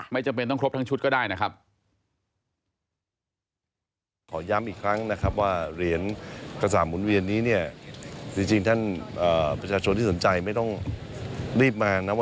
จำเป็นต้องครบทั้งชุดก็ได้นะครับ